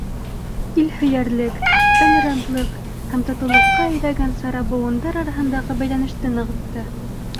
Илһөйәрлек, толерантлыҡ һәм татыулыҡҡа әйҙәгән сара быуындар араһындағы бәйләнеште нығытты.